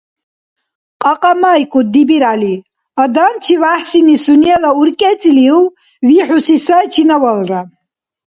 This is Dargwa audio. КьакьамайкӀуд, ДибиргӀяли, адам ЧевяхӀсини сунела уркӀецӀилиув вихӀуси сай чинавалра.